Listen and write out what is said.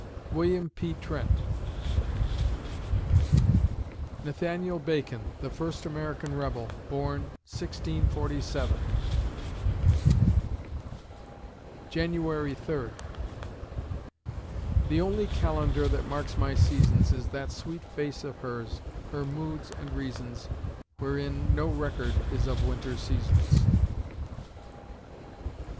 WILLIAM P. TRENT Nathaniel Bacon, "The First American Rebel," born, 1647 January Third The only calendar That marks my seasons, Is that sweet face of hers, Her moods and reasons, Wherein no record is Of winter seasons.